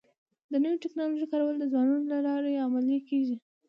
د نوې ټکنالوژۍ کارول د ځوانانو له لارې عملي کيږي.